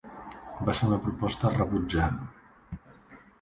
Va ser una proposta rebutjada.